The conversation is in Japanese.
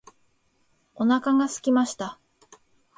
お腹が空きました。